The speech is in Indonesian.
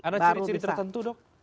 ada ciri ciri tertentu dok